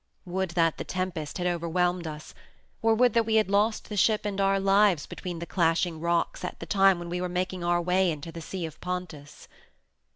Would that the tempest had overwhelmed us, or would that we had lost the ship and our lives between the Clashing Rocks at the time when we were making our way into the Sea of Pontus."